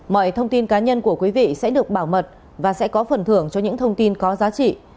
mọi thông tin cá nhân của quý vị sẽ được bảo mật và sẽ có phần thưởng cho những thông tin có giá trị